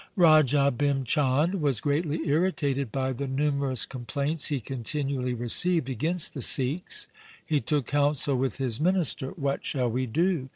Raja Bhim Chand was greatly irritated by the numerous complaints he continually received against the Sikhs. He took counsel with his minister, ' What shall we do